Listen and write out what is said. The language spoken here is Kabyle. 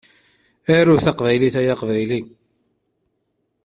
Aru taqbaylit ay aqbayli!